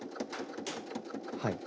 はい。